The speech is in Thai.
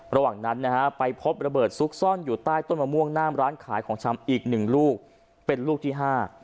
ระหว่างนั้นนะฮะไปพบระเบิดซุกซ่อนอยู่ใต้ต้นมะม่วงหน้ามร้านขายของชำอีกหนึ่งลูกเป็นลูกที่ห้า